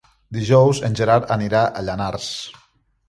Dijous en Gerard anirà a Llanars.